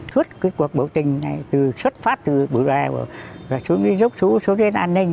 thuất cái cuộc bộ trình này xuất phát từ bửa lèo xuống đến dốc xuống đến an ninh